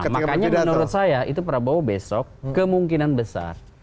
makanya menurut saya itu prabowo besok kemungkinan besar